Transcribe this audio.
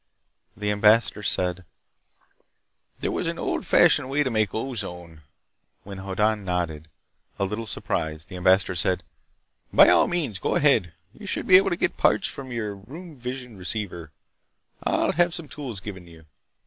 The ambassador said: "There was an old fashioned way to make ozone...." When Hoddan nodded, a little surprised, the ambassador said: "By all means go ahead. You should be able to get parts from your room vision receiver. I'll have some tools given you."